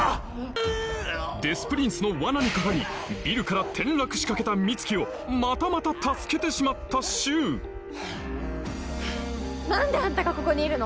デス・プリンスの罠にかかりビルから転落しかけた美月をまたまた助けてしまった柊何であんたがここにいるの？